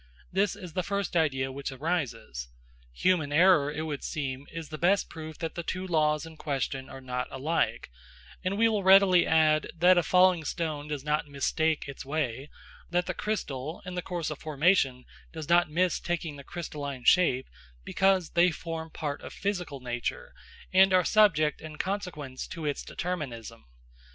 This is the first idea which arises. Human error, it would seem, is the best proof that the two laws in question are not alike, and we will readily add that a falling stone does not mistake its way, that the crystal, in the course of formation does not miss taking the crystalline shape, because they form part of physical nature, and are subject in consequence to its determinism.